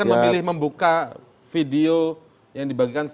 anda akan memilih membuka video yang dibagikan